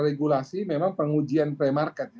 regulasi memang pengujian premarket